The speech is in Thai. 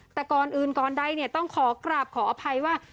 แต่ก่อนอื่นก่อนใดต้องขอกราบขออภัยว่า